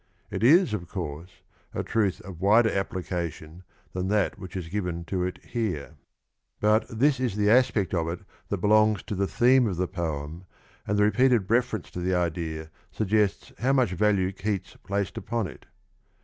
It is, of course, a truth of wider appli cation than that which is given to it here, but this is the aspect of it that belongs to the theme of the poem, and the repeated reference to the idea suggests how much value Keats placed upon it.